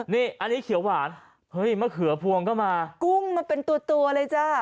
เฮ้ยมะเขือพวงมากุ้มมันเป็นตัวเลยจ้า